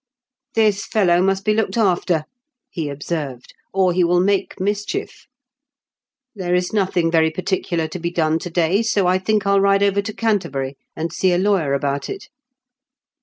"This fellow must be looked after/' he observed, "or he will make mischief There is nothing very particular to be done to day, so I think Til ride over to Canterbury, and see a lawyer about it."